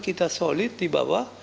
kita solid di bawah